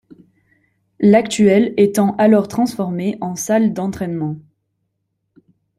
L'actuel étant alors transformé en salles d'entraînement.